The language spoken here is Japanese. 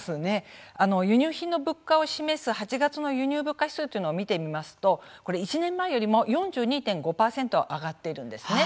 輸入品の物価を示す、８月の輸入物価指数っていうのを見てみますと、これ１年前よりも４２．５％上がっているんですね。